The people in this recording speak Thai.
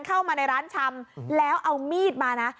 เข้ามาในร้านชำแล้วเอามีดมานะ